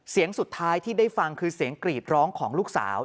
เสียงสุดท้ายที่ได้ฟังคือเสียงกรีดร้องของลูกสาว